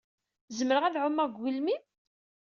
Zemreɣ ad ɛumeɣ deg ugelmim?